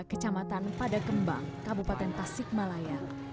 kecamatan pada kembang kabupaten tasik malaya